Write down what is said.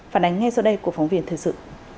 phản ánh ngay sau đây của phóng viên thời sự